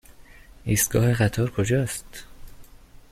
ایستگاه قطار کجاست؟